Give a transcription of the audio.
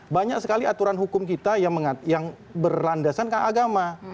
banyak sekali aturan hukum kita yang berlandasan ke agama